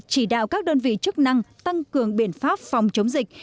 chỉ đạo các đơn vị chức năng tăng cường biện pháp phòng chống dịch